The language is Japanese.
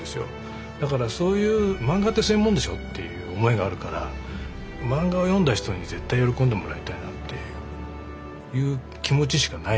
だから漫画ってそういうものでしょっていう思いがあるから漫画を読んだ人に絶対喜んでもらいたいなっていう気持ちしかないんですよ。